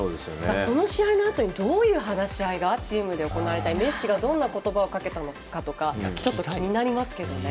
この試合のあとどういう話し合いがチームで行われたりメッシがどんな言葉をかけたかとかちょっと気になりますけどね。